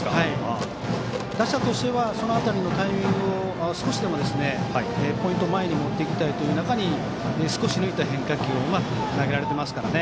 打者としてはその辺りのタイミングを少しでもポイントを前に持っていきたいという中で少し抜いた変化球をうまく投げられていますから。